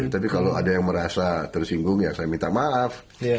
tapi kalau ada yang merasa tersinggung ya saya minta maaf